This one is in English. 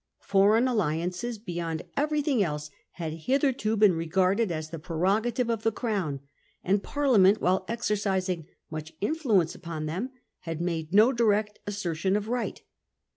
Foreign alliances beyond everything else had hitherto been regarded as the prerogative of the Crown, and Parliament, while exercising much influence upon them, had made no direct assertion of right.